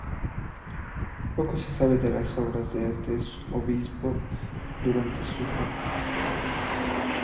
Poco se sabe de las obras de este obispo durante su pontificado.